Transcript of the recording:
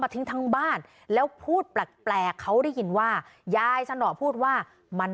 ไม่อยากให้แม่เป็นอะไรไปแล้วนอนร้องไห้แท่ทุกคืน